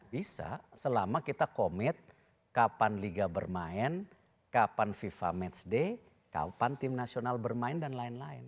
bisa selama kita komit kapan liga bermain kapan fifa match day kapan tim nasional bermain dan lain lain